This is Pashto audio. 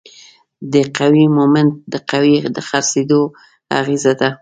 د قوې مومنټ د قوې د څرخیدو اغیزه ده.